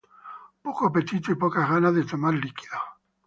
Poco apetito y pocas ganas de tomar líquidos